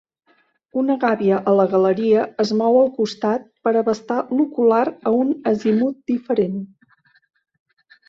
Una gàbia a la galeria es mou al costat per abastar l'ocular a un azimut diferent.